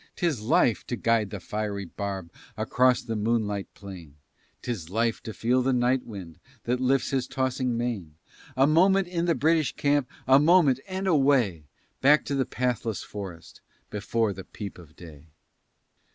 'Tis life to guide the fiery barb Across the moonlight plain; 'Tis life to feel the night wind That lifts his tossing mane. A moment in the British camp A moment and away, Back to the pathless forest Before the peep of day.